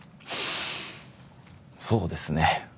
そうですね